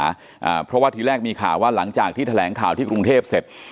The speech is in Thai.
อ่าเพราะว่าทีแรกมีข่าวว่าหลังจากที่แถลงข่าวที่กรุงเทพเสร็จ